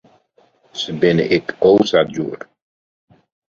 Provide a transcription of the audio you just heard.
Se binne ek o sa djoer.